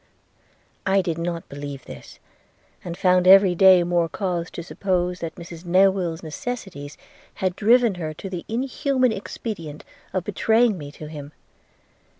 'I did not believe this, and found every day more cause to suppose that Mrs Newill's necessities had driven her to the inhuman expedient of betraying me to him.